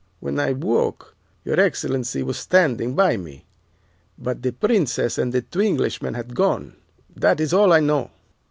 When I woke, your Excellency was standing by me, but the Princess and the two Englishmen had gone. That is all I know.